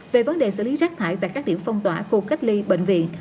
về vấn đề xử lý rác thải tại các điểm phong tỏa khu cách ly bệnh viện